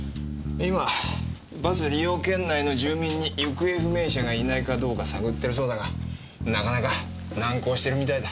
今バス利用圏内の住民に行方不明者がいないかどうか探ってるそうだがなかなか難航してるみたいだ。